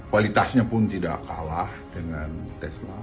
kualitasnya pun tidak kalah dengan tesla